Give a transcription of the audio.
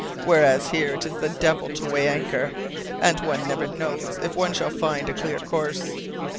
Whereas here it is the devil to weigh anchor, and one never knows if one shall find a clear course."